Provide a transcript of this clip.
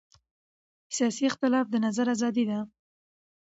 سیاسي اختلاف د نظر ازادي ده